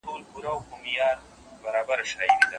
ځان دي ژغوري له نیرنګ د چاپلوسانو